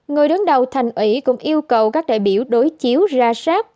người đứng đầu thành ủy cũng yêu cầu các đại biểu đối chiếu ra sát